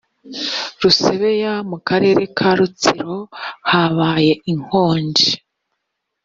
rusebeya mu karere ka rutsiro habaye inkonji